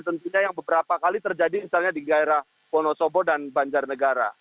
tentunya yang beberapa kali terjadi misalnya di gairah wonosobo dan banjarnegara